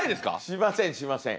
しませんしません。